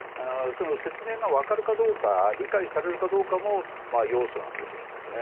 説明がわかるかどうか理解されるかどうかも要素なんです。